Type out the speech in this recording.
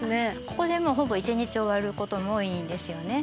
ここでもうほぼ一日終わることも多いんですよね